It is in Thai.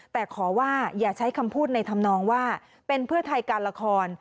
แต่ขอว่าอย่าใช้คำพูดในธรรมนองว่าเป็นเพื่อไทยการละคร